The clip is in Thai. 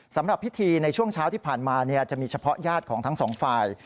สำหรับพิธีในช่วงเช้าที่ผ่านมาจะมีเฉพาะญาติของทั้งสองฝ่าย